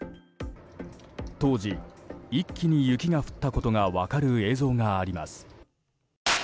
当時、一気に雪が降ったことが分かる映像があります。